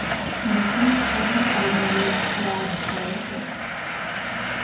He replaced former coordinator Brad Childress.